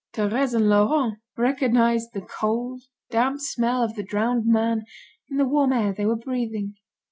Thérèse and Laurent recognised the cold, damp smell of the drowned man in the warm air they were breathing.